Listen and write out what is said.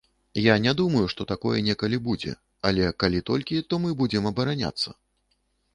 Я не думаю, што такое некалі будзе, але калі толькі, то мы будзем абараняцца.